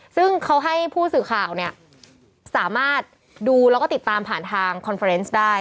ซึ่งเขาให้ผู้สื่อข่าวเนี่ยสามารถดูแล้วก็ติดตามผ่านทางคอนเฟอร์เนสได้